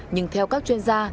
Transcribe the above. nhưng theo các chuyên gia